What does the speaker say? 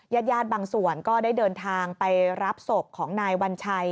ญาติญาติบางส่วนก็ได้เดินทางไปรับศพของนายวัญชัย